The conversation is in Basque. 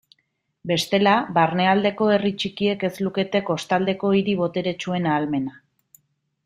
Bestela, barnealdeko herri txikiek ez lukete kostaldeko hiri boteretsuen ahalmena.